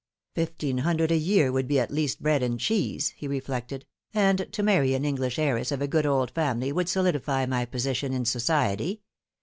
" Fifteen hundred a year would be at least bread and cheese," he reflected, " and to marry an English heiress of a good old family would solidify my position in society.